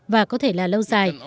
và có thể là lâu dài